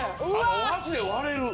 お箸で割れる。